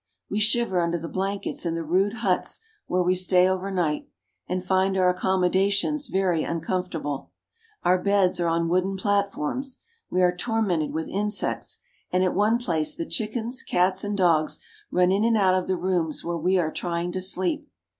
We shiver under the blankets in the rude huts where we stay overnight, and find our accommodations very un comfortable. Our beds are on wooden platforms. We are tormented with insects, and at one place the chickens, cats, and dogs run in and out of the rooms where we are trying to sleep.